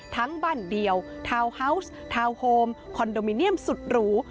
ทั้งบ้านเดียวทาวน์ฮาวส์ทาวน์โฮมคอนโดมิเนียมสุดหรู